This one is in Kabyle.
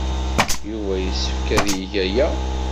Yuba yessefk ad yeg aya.